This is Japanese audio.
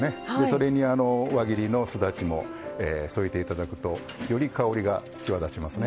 それに輪切りのすだちも添えて頂くとより香りが際立ちますね。